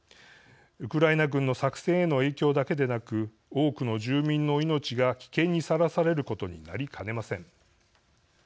ウクライナ軍の作戦への影響だけでなく多くの住民の命が危険にさらされることになりかねません。